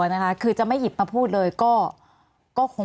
มีความรู้สึกว่ามีความรู้สึกว่า